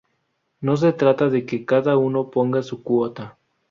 No se trata de que cada uno ponga su "cuota".